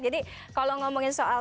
jadi kalau ngomongin soal